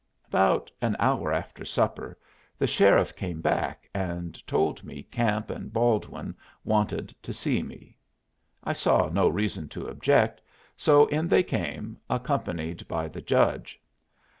About an hour after supper, the sheriff came back and told me Camp and Baldwin wanted to see me. I saw no reason to object, so in they came, accompanied by the judge.